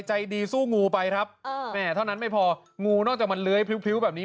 ใจดีสู้งูไปครับแม่เท่านั้นไม่พองูนอกจากมันเลื้อยพริ้วแบบนี้